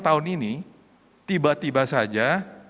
tahun ini tiba tiba saja